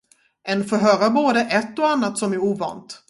En får höra både ett och annat som är ovant.